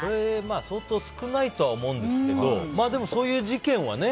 相当少ないとは思うんですけどそういう事件はね。